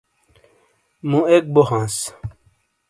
مُو ایک بو ہاںس